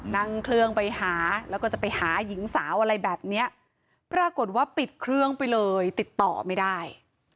นั่งเครื่องไปหาแล้วก็จะไปหาหญิงสาวอะไรแบบเนี้ยปรากฏว่าปิดเครื่องไปเลยติดต่อไม่ได้